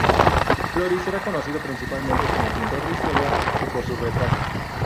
Floris era conocido principalmente como pintor de historia y por sus retratos.